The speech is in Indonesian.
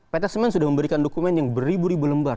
pt semen sudah memberikan dokumen yang beribu ribu lembar